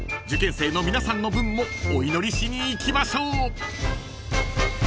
［受験生の皆さんの分もお祈りしに行きましょう］